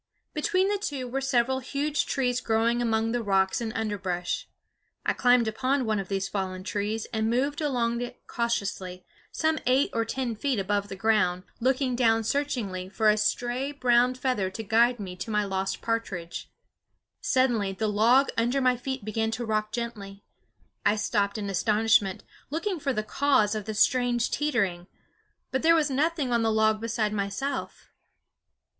Between the two were several huge trees growing among the rocks and underbrush. I climbed upon one of these fallen trees and moved along it cautiously, some eight or ten feet above the ground, looking down searchingly for a stray brown feather to guide me to my lost partridge. Suddenly the log under my feet began to rock gently. I stopped in astonishment, looking for the cause of the strange teetering; but there was nothing on the log beside myself.